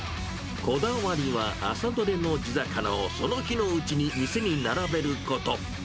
こだわりは、朝取れの地魚をその日のうちに店に並べること。